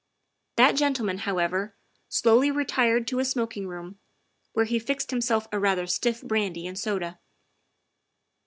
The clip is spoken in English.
That gentleman, however, slowly retired to a smoking room, where he mixed himself a rather stiff brandy and soda.